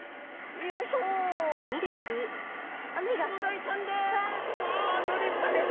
クロダイちゃんです。